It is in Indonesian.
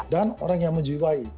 dan orang yang menjiwai